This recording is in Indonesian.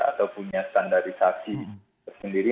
atau punya standarisasi tersendiri